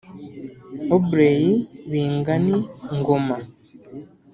Aubrey Bingani Ngoma